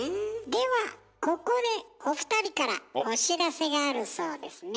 ではここでお二人からお知らせがあるそうですねえ。